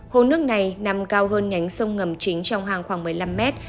hồ nước này nằm cao hơn nhánh sông ngầm chính trong hang khoảng một mươi năm mét